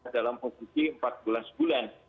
dalam posisi empat belas bulan